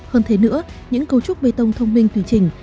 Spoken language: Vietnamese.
hơn thế nữa những cấu trúc bê tông thông minh tùy trình